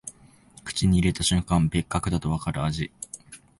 口に入れた瞬間、別格だとわかる味